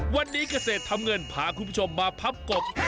วันนี้เกษตรทำเงินพาคุณผู้ชมมาพับกบ